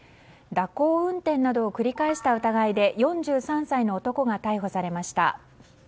蛇行運転などを繰り返した疑いで４３歳の男が逮捕されました。